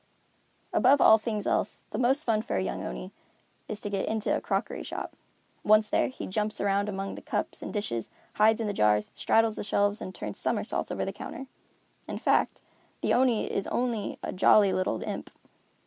Above all things else, the most fun for a young Oni is to get into a crockery shop. Once there, he jumps round among the cups and dishes, hides in the jars, straddles the shelves and turns somersaults over the counter. In fact, the Oni is only a jolly little imp.